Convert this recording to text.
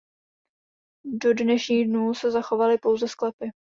Do dnešních dnů se zachovaly pouze sklepy.